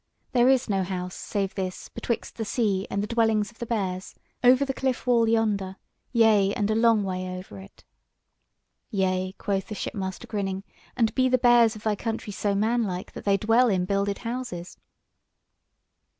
There is no house save this betwixt the sea and the dwellings of the Bears, over the cliff wall yonder, yea and a long way over it." "Yea," quoth the shipmaster grinning, "and be the bears of thy country so manlike, that they dwell in builded houses?"